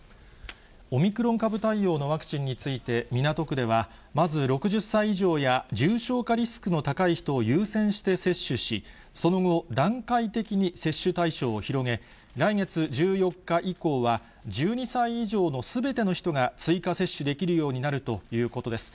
オミクロン株対応のワクチンについて、港区ではまず、６０歳以上や重症化リスクの高い人を優先して接種し、その後、段階的に接種対象を広げ、来月１４日以降は、１２歳以上のすべての人が追加接種できるようになるということです。